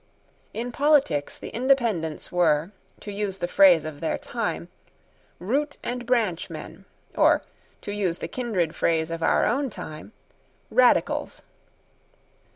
In politics, the Independents were, to use the phrase of their time, root and branch men, or, to use the kindred phrase of our own time, radicals.